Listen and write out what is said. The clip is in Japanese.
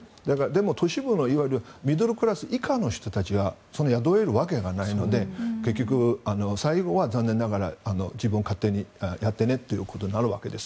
でも都市部のいわゆるミドルクラス以下の人たちはそれ、雇えるわけがないので結局、最後は残念ながら自分で勝手にやってねということになるわけです。